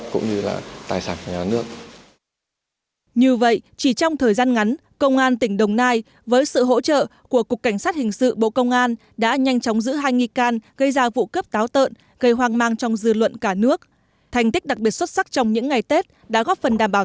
cả hai đối tượng bị các trinh sát của công an tỉnh đồng nai và cục cảnh sát hình sự bộ công an bắt khẩn cướp được khoảng ba km